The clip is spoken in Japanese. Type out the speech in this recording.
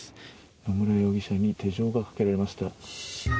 野村容疑者に手錠がかけられました。